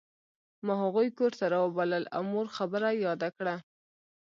ما هغوی کور ته راوبلل او مور خبره یاده کړه